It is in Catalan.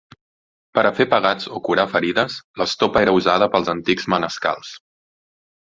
Per a fer pegats o curar ferides, l'estopa era usada pels antics manescals.